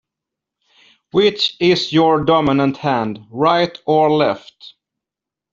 Which is your dominant hand, right or left?